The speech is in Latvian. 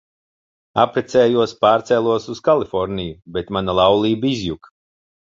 Apprecējos, pārcēlos uz Kaliforniju, bet mana laulība izjuka.